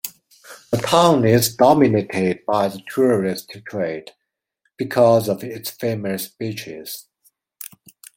The town is dominated by the tourist trade, because of its famous beaches.